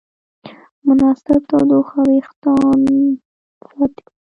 مناسب تودوخه وېښتيان ساتي.